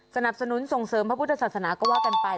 สนับสนุนส่งเสริมพระพุทธศาสนาก็ว่ากันไป